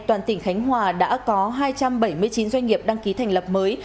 toàn tỉnh khánh hòa đã có hai trăm bảy mươi chín doanh nghiệp đăng ký thành lập mới